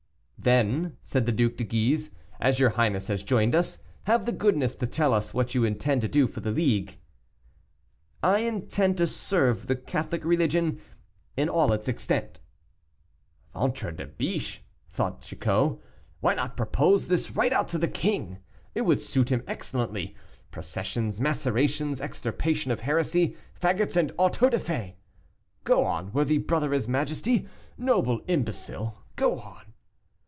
"Then," said the Duc de Guise, "as your highness has joined us, have the goodness to tell us what you intend to do for the league." "I intend to serve the Catholic religion in all its extent." "Ventre de biche!" thought Chicot, "why not propose this right out to the king? It would suit him excellently processions, macerations, extirpation of heresy, fagots, and auto da fés! Go on, worthy brother of his majesty, noble imbecile, go on!"